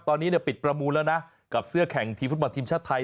ตอนนี้ปิดประมูลแล้วนะกับเสื้อแข่งทีมฟุตบอลทีมชาติไทย